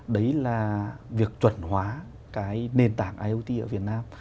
đấy là việc chuẩn hóa cái nền tảng iot ở việt nam